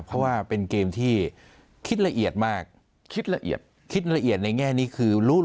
เพราะว่าเป็นเกมที่คิดละเอียดมากคิดละเอียดคิดละเอียดในแง่นี้คือรู้